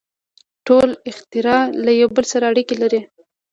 • ټول اختراعات له یو بل سره اړیکې لري.